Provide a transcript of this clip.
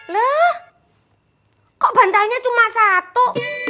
leh kok bantalnya cuma satu